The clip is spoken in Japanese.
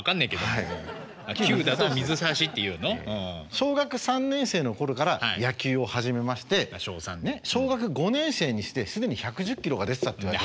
小学３年生の頃から野球を始めまして小学５年生にして既に１１０キロが出てたって言われて。